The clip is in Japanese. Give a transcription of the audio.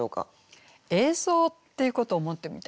映像っていうことを思ってみたいですね。